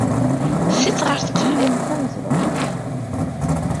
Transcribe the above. Sit ɣef tqeffalt tamezwarut.